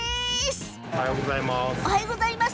おはようございます。